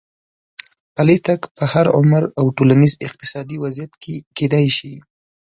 پلی تګ په هر عمر او ټولنیز اقتصادي وضعیت کې کېدای شي.